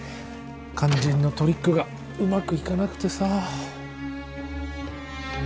肝心のトリックがうまくいかなくてさ。